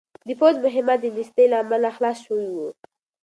د پوځ مهمات د نېستۍ له امله خلاص شوي وو.